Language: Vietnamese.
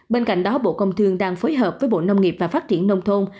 bên cạnh đó bộ công thương đang phối hợp với bộ nông nghiệp và phát triển nông thôn